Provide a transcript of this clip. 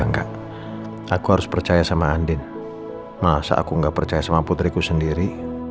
enggak aku harus percaya sama andin masa aku nggak percaya sama putriku sendiri